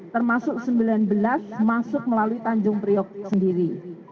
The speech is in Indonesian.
termasuk sembilan belas masuk melalui tanjung priok sendiri